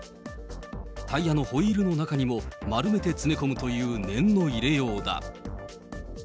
タイヤのホイールの中にも丸めて詰め込むという念の入れようだ。